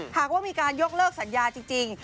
หากว่ามีการยกเลิกสัญญาจริง